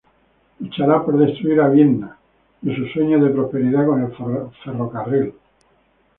Luchará por destruir a Vienna y sus sueños de prosperidad con el ferrocarril.